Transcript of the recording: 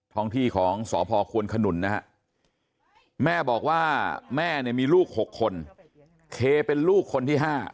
ท้องที่ของสพควนขนุนนะฮะแม่บอกว่าแม่เนี่ยมีลูก๖คนเคเป็นลูกคนที่๕